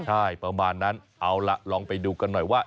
ใช่ประมาณนั้นเอาล่ะลองไปดูกันหน่อยว่า